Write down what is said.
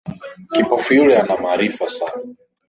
Kipofu yule ana maarifa sana